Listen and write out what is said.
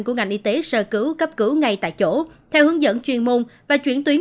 của ngành y tế sơ cứu cấp cứu ngay tại chỗ theo hướng dẫn chuyên môn và chuyển tuyến